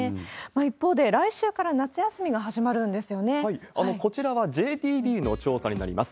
一方で、来週から夏休みが始まるこちらはＪＴＢの調査になります。